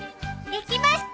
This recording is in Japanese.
できました！